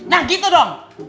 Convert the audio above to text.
nah gitu dong